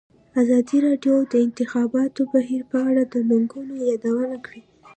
ازادي راډیو د د انتخاباتو بهیر په اړه د ننګونو یادونه کړې.